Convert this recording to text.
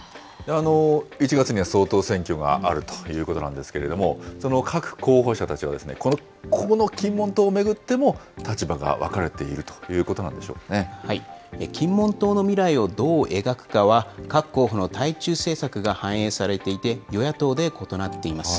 １月には総統選挙があるということなんですけれども、その各候補者たちは、ここの金門島を巡っても立場が分かれているという金門島の未来をどう描くかは、各候補の対中政策が反映されていて、与野党で異なっています。